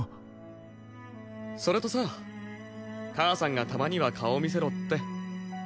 それとさ母さんがたまには顔見せろって。